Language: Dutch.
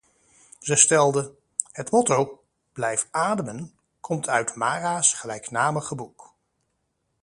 Ze stelde: "Het motto 'Blijf Ademen' komt uit Mara’s gelijknamige boek."